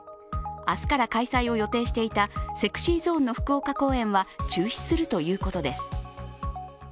明日から開催を予定していたＳｅｘｙＺｏｎｅの福岡公演は中止するということです。